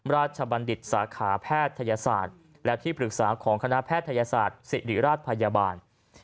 บัณฑิตสาขาแพทยศาสตร์และที่ปรึกษาของคณะแพทยศาสตร์ศิริราชพยาบาล